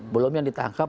belum yang ditangkap